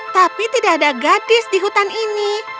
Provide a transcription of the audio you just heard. tapi tidak ada gadis di hutan ini